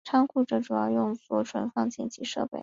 仓库则主要用作存放紧急设备。